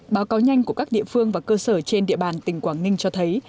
báo cáo nhanh của các địa phương và cơ sở trên địa bàn tỉnh quảng ninh cho thấy